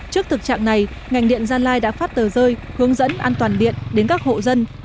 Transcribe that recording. trước thực trạng này ngành điện gia lai đã phát tờ rơi hướng dẫn an toàn điện đến các hộ dân